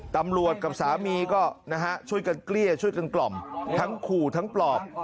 กับสามีก็นะฮะช่วยกันเกลี้ยช่วยกันกล่อมทั้งขู่ทั้งปลอบ